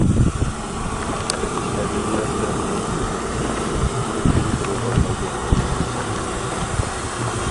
ئەدەبىيات دەۋرنىڭ گۈللىنىشى ئۈچۈن تۈرتكىلىك رول ئوينايدۇ.